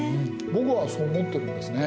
僕はそう思ってるんですね。